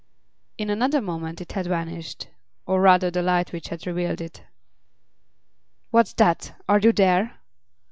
In another moment it had vanished, or rather the light which had revealed it. "What's that? Are you there?"